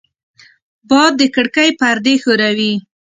باد د کړکۍ پردې ښوروي